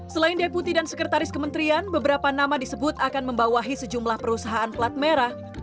selain deputi dan sekretaris kementerian beberapa nama disebut akan membawahi sejumlah perusahaan plat merah